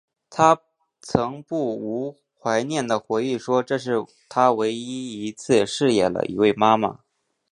她曾不无怀念的回忆说这是她唯一一次饰演了一位妈妈。